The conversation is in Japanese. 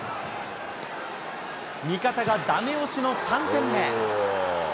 見方がだめ押しの３点目。